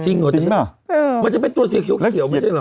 จริงเหรอแต่ว่ามันไม่ใช่ตัวเขียวไม่ใช่เหรอคะ